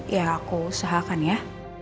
ya aku usahakan ya